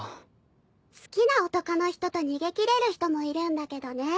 好きな男の人と逃げ切れる人もいるんだけどね。